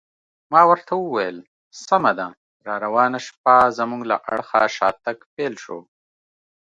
ما ورته وویل: سمه ده، راروانه شپه زموږ له اړخه شاتګ پیل شو.